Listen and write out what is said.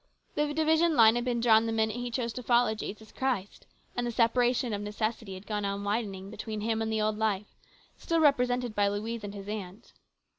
The division line had been drawn the minute he chose to follow Jesus Christ, and the separation of necessity had gone on widening between him and the old life, still represented by Louise and his aunt.